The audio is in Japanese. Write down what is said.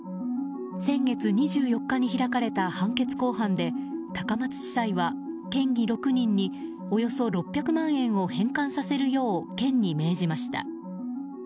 先月２４日に開かれた判決公判で高松地裁は県議６人におよそ６００万円を返還させるよう県に命じました。